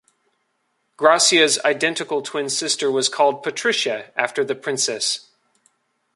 Gracia's identical twin sister was called Patricia after the princess.